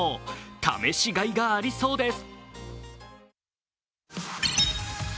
試しガイがありそうです！